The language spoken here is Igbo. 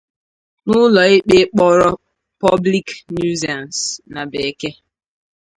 nke ụlọikpe kpọrọ 'public nuisance' na bekee